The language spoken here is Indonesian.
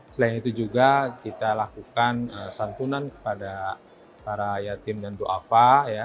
selain itu juga kita lakukan santunan kepada para yatim dan ⁇ doafa ⁇